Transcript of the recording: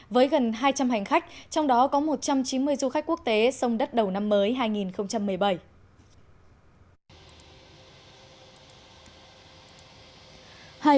với gần hai trăm linh hành khách trong đó có một trăm chín mươi du khách quốc tế sông đất đầu năm mới